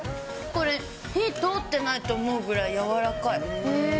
これ火通ってないと思うぐらい軟らかい。